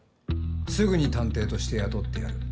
すぐに探偵として雇ってやる。